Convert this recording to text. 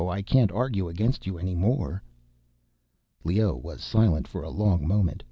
I can't argue against you any more." Leoh was silent for a long moment.